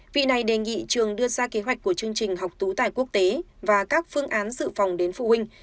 vị này đề nghị trường đưa ra kế hoạch của chương trình học tú tài quốc tế và các phương án dự phòng đến phụ huynh